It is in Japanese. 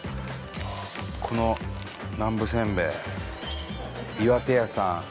この南部せんべい巖手屋さん